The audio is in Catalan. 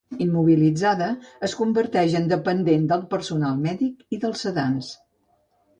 Immobilitzada, es converteix en dependent del personal mèdic i dels sedants.